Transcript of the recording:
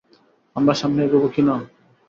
আমরা সামনে এগোবো কি না!